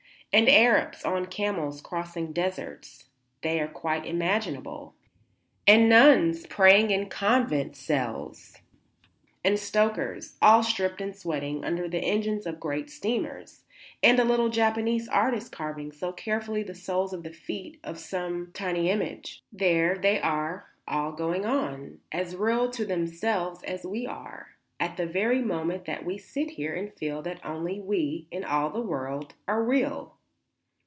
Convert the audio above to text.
and Arabs on camels crossing deserts; they are quite imaginable; and nuns praying in convent cells; and stokers, all stripped and sweating, under the engines of great steamers; and a little Japanese artist carving so carefully the soles of the feet of some tiny image; there they are, all going on; as real to themselves as we are, at the very moment that we sit here and feel that only we, in all the world, are real."